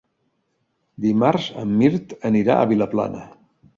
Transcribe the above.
Dimarts en Mirt anirà a Vilaplana.